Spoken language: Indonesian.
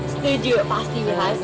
setuju pasti belas